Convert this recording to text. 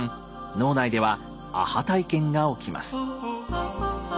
脳内ではアハ体験が起きます。